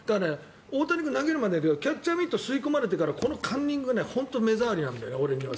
大谷君が投げるまでキャッチャーミットに吸い込まれるまでのカンニングが目障りなんだよね。